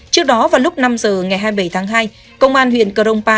trước đó vào lúc năm giờ ngày hai mươi bảy tháng hai công an huyện cờ rông pa